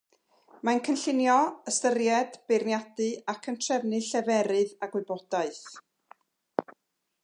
Mae'n cynllunio, ystyried, beirniadu, ac yn trefnu lleferydd a gwybodaeth.